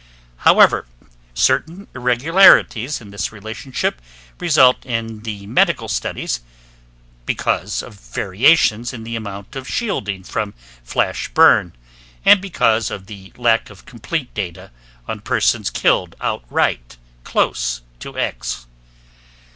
However, certain irregularities in this relationship result in the medical studies because of variations in the amount of shielding from flash burn, and because of the lack of complete data on persons killed outright close to X.